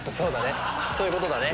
そういうことだね。